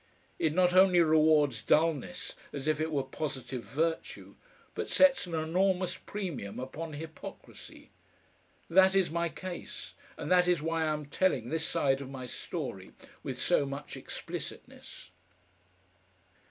It not only rewards dullness as if it were positive virtue, but sets an enormous premium upon hypocrisy. That is my case, and that is why I am telling this side of my story with so much explicitness.